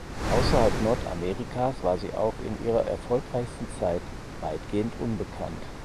Außerhalb Nordamerikas war sie auch in ihrer erfolgreichsten Zeit weitgehend unbekannt.